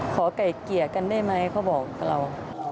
ไก่เกลี่ยกันได้ไหมเขาบอกกับเรา